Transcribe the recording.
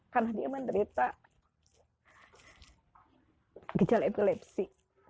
karena dia menderita gejal epilepsi